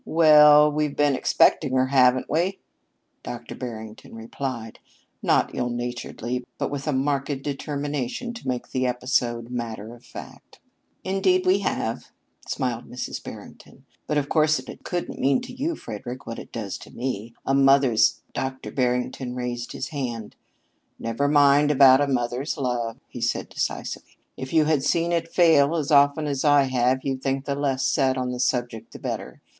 "Well, we've been expecting her, haven't we?" Dr. Barrington replied, not ill naturedly but with a marked determination to make the episode matter of fact. "Indeed we have," smiled Mrs. Barrington. "But of course it couldn't mean to you, Frederick, what it does to me. A mother's " Dr. Barrington raised his hand. "Never mind about a mother's love," he said decisively. "If you had seen it fail as often as I have, you'd think the less said on the subject the better.